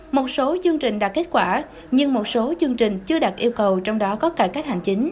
một số chương trình đạt kết quả nhưng một số chương trình chưa đạt yêu cầu trong đó có cải cách hành chính